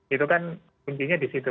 itu kan kuncinya di situ